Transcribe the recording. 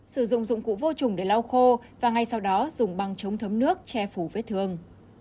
sử dụng dụng cụ vô trùng để lau khô và ngay sau đó dùng băng chống thấm nước che phủ vết thương